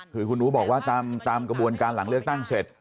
คือคุณอู๋บอกว่าตามกระบวนการหลังเลือกตั้งเสร็จ